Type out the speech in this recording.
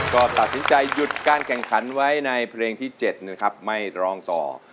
ก็ตัดสินใจหยุดการแข่งขันไว้ในเพลงที่๗นะครับไม่ร้องต่อ